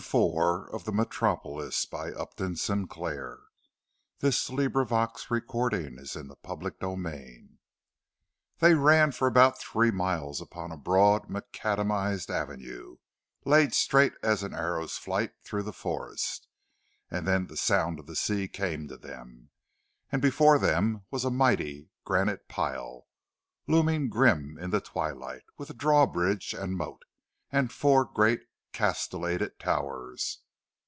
"And what was that we passed?" "That was the gate keeper's lodge," was Oliver's reply. CHAPTER IV. They ran for about three miles upon a broad macadamized avenue, laid straight as an arrow's flight through the forest; and then the sound of the sea came to them, and before them was a mighty granite pile, looming grim in the twilight, with a draw bridge and moat, and four great castellated towers.